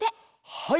はい。